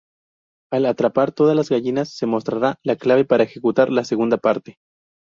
Al atrapar todas las gallinas, se mostrará la clave para ejecutar la segunda parte.